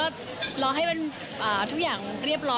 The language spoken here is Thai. ยังค่ะเดี๋ยวว่ารอให้มันทุกอย่างเรียบร้อยก่อน